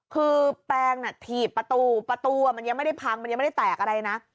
คือแปลงน่ะถีบประตูประตูมันยังไม่ได้พังมันยังไม่ได้แตกอะไรนะ